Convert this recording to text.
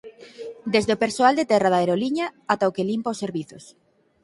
Desde o persoal de terra da aeroliña ata o que limpa os servizos.